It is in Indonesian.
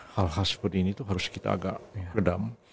hal hal seperti ini itu harus kita agak redam